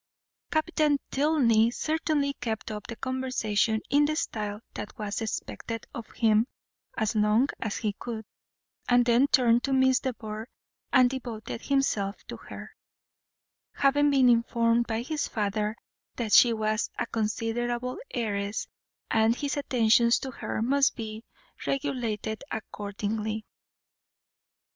Captain Tilney certainly kept up the conversation in the style that was expected of him as long as he could, and then turned to Miss de Bourgh and devoted himself to her, having been informed by his father that she was a considerable heiress, and his attentions to her must be regulated accordingly.